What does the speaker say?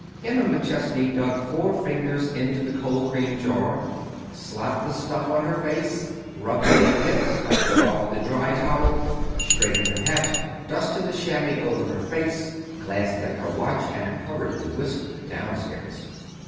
Emma McChesney dug four fingers into the cold cream jar, slapped the stuff on her face, rubbed it in a bit, wiped it off with a dry towel, straightened her hat, dusted the chamois over her face, glanced at her watch and hurriedly whisked downstairs.